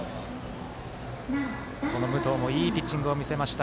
武藤もいいピッチングを見せました。